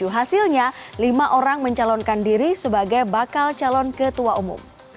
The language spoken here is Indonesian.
hasilnya lima orang mencalonkan diri sebagai bakal calon ketua umum